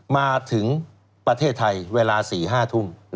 มาถึงประเทศไทยเวลา๔๕ทุ่ม